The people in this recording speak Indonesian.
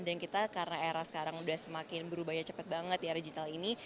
dan kita karena era sekarang udah semakin berubahnya cepet banget ya regional ini